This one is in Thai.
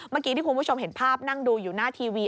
เมื่อกี้ที่คุณผู้ชมเห็นภาพนั่งดูอยู่หน้าทีวี